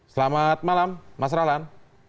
selamat malam mas rahlan